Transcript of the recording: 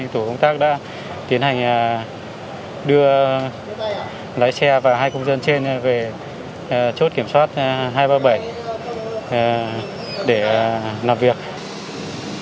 tổ công tác đã tiến hành đưa lái xe và hai công dân trên về chốt kiểm soát hai trăm ba mươi bảy để làm việc